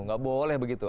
gak boleh begitu